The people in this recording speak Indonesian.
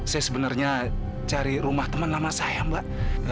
saya sebenarnya cari rumah teman lama saya mbak